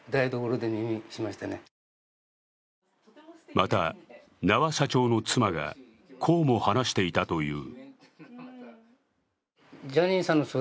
また、名和社長の妻がこうも話していたという。